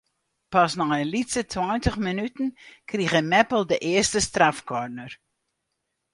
Pas nei in lytse tweintich minuten krige Meppel de earste strafkorner.